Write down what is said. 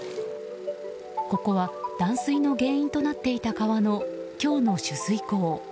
ここは断水の原因となっていた川の今日の取水口。